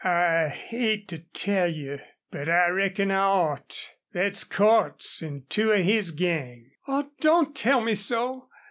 "I hate to tell you, but I reckon I ought. Thet's Cordts an' two of his gang." "Oh don't tell me so!"